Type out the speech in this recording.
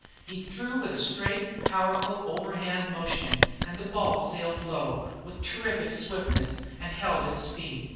He threw with a straight, powerful overhand motion and the ball sailed low, with terrific swiftness, and held its speed.